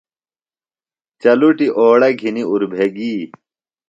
چلُٹیۡ اوڑہ گِھنیۡ اُربھےۡ گی